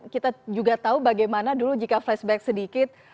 kita juga tahu bagaimana dulu jika flashback sedikit